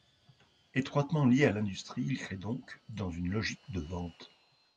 Étroitement liée à l'industrie il crée donc dans une logique de vente.